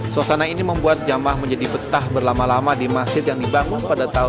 suasana ini membuat jamaah menjadi betah berlama lama di masjid yang dibangun pada tahun seribu sembilan ratus tiga puluh enam